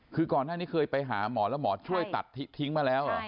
คือก่อนหน้านี้เคยไปหาหมอแล้วหมอช่วยตัดทิ้งมาแล้วเหรอ